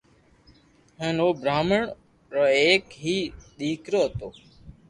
ھين او براھامن ار ايڪ ھي دآڪرو ھتو